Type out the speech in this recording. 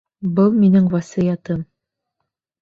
Был минең васыятым!